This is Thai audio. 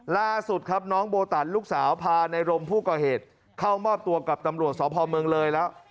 ล่าสุดครับน้องโบตันลูกสาวพาในรมผู้ก่อเหตุเข้ามอบตัวกับตำรวจสพเมืองเลยแล้ว